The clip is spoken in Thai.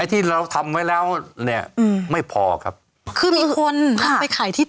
ที่เราทำไว้แล้วเนี่ยอืมไม่พอครับคือมีคนไปขายที่